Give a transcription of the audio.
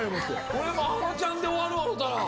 俺もあのちゃんで終わる思ったら。